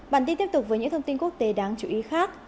bản tin tiếp tục với những thông tin quốc tế đáng chú ý khác